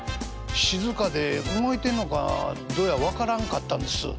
静かで動いてんのかどうや分からんかったんです。